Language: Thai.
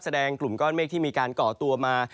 แสดงกลุ่มก้อนเมฆที่มีการเกาะตัวมา